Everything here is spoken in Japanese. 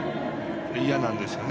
嫌なんですよね